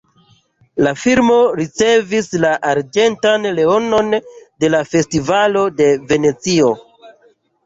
La filmo ricevis la arĝentan leonon de la festivalo de Venecio.